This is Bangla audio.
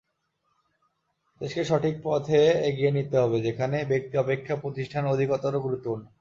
দেশকে সঠিক পথে এগিয়ে নিতে হবে, যেখানে ব্যক্তি অপেক্ষা প্রতিষ্ঠান অধিকতর গুরুত্বপূর্ণ।